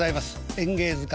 「演芸図鑑」